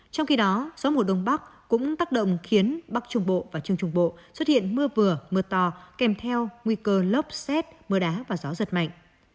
trong khi đó gió mùa đông bắc cũng tác động khiến bắc trung bộ và trung trung bộ xuất hiện mưa vừa mưa to kèm theo nguy cơ lốc xét mưa đá và gió giật mạnh